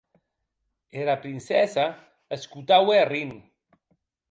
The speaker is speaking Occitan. Era princessa escotaue arrint.